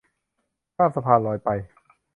ข้ามสะพานลอยไป